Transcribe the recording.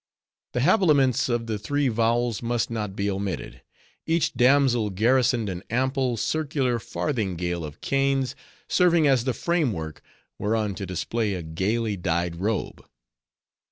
The habiliments of the three Vowels must not be omitted. Each damsel garrisoned an ample, circular farthingale of canes, serving as the frame work, whereon to display a gayly dyed robe.